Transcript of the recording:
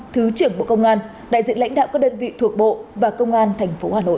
thứ trưởng bộ công an đại diện lãnh đạo các đơn vị thuộc bộ và công an tp hà nội